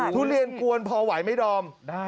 ทุเรียนกวนพอไหวไหมดอม